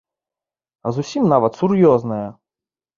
А зусім нават сур'ёзная.